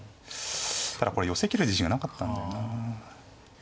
ただこれ寄せきる自信がなかったんだよな。